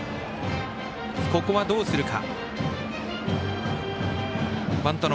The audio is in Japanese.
ここはどうするか。